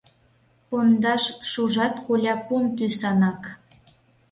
Пондаш шужат коля пун тӱсанак.